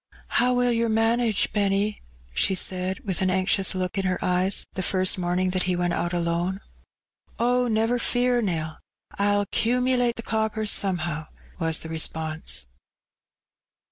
''How will yer manage, Benny?'' she said, with an anxious look in her eyes, the first morning that he went out alone. "Oh, never fear, Nell, I'll 'cumulate the coppers some how," was the response.